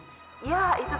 ya itu tentang masa lalunya